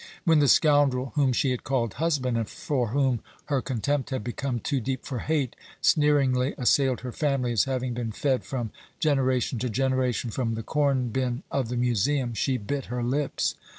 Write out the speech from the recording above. When the scoundrel whom she had called husband, and for whom her contempt had become too deep for hate, sneeringly assailed her family as having been fed from generation to generation from the corn bin of the Museum, she bit her lips.